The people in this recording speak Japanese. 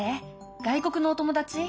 外国のお友達？